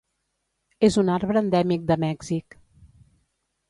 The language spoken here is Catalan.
És un arbre endèmic de Mèxic.